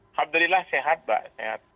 alhamdulillah sehat mbak sehat